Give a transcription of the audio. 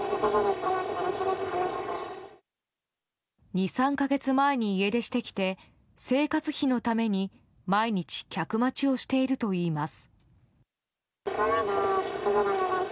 ２３か月前に家出してきて生活費のために毎日客待ちをしているといいます。